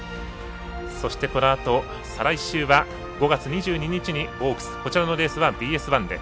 そして、このあと再来週は５月２２日にオークス、こちらのレースはＢＳ１で。